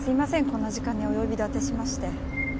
こんな時間にお呼び立てしまして。